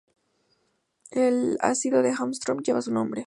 El ácido de Armstrong lleva su nombre.